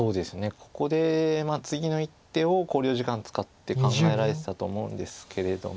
ここで次の一手を考慮時間使って考えられてたと思うんですけれども。